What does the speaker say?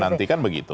bukan nanti kan begitu